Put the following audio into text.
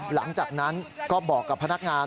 หลังจากนั้นก็บอกกับพนักงาน